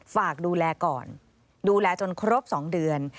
ฝากดูแลก่อนดูแลจนครบ๒เดือน